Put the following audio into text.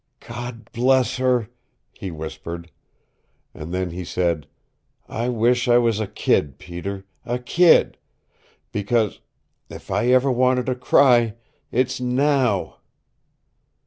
"God bless her!" he whispered. And then he said, "I wish I was a kid, Peter a kid. Because if I ever wanted to cry IT'S NOW."